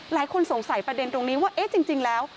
หลายคนสงสัยประเด็นตรงนี้ว่าเอ๊ะจริงแล้ว